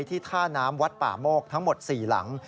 ที่ท่าน้ำวัดป่าโมกทั้งหมด๔หลัง